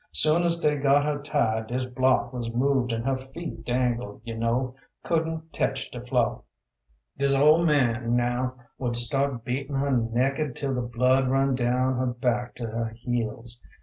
Soon as dey got her tied, dis block was moved an' her feet dangled, yo' know couldn't tech de flo'. Dis ol' man, now, would start beatin' her nekkid 'til the blood run down her back to her heels.